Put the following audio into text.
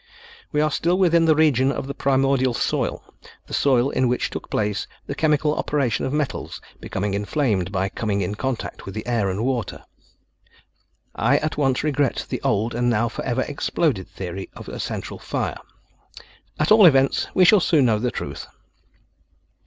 We are still within the region of the primordial soil, the soil in which took place the chemical operation of metals becoming inflamed by coming in contact with the air and water. I at once regret the old and now forever exploded theory of a central fire. At all events, we shall soon know the truth."